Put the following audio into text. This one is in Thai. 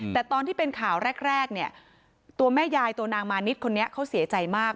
แต่ตอนที่เป็นข่าวแรกเนี่ยตัวแม่ยายตัวนางมานิดคนนี้เขาเสียใจมาก